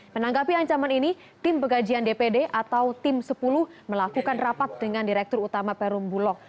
menanggapi ancaman ini tim pegajian dpd atau tim sepuluh melakukan rapat dengan direktur utama perum bulog